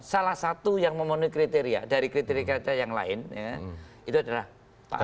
salah satu yang memenuhi kriteria dari kriteri kriteri yang lain itu adalah pak anton